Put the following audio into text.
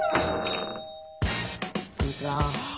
こんにちは。